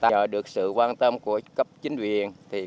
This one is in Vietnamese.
chờ được sự quan tâm của cấp chính vị